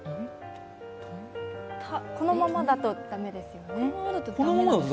このままだと駄目ですよね。